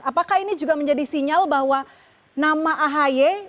apakah ini juga menjadi sinyal bahwa nama ahy